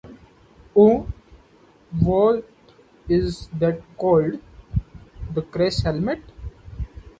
Uh, what is that called, the crash helmet?